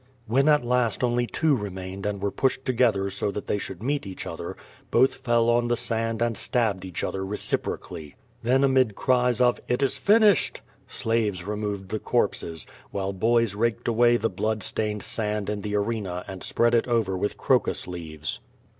When at last only two remained and were pushed together so that they should meet each other, both fell on the sand and 4o8 VC^O VADI8. stabbed each other reciprocally. Then amid cries of "it is finished!'' slaves removed the corpses, while boys raked away the blood stained sand in the arena and spread it over with crocus leaves.